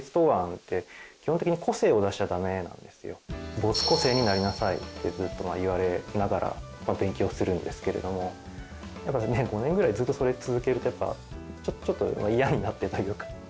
没個性になりなさいってずっと言われながら勉強するんですけれども５年ぐらいそれ続けるとやっぱちょっと嫌になってというか。